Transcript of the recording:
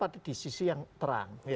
tapi di sisi yang terang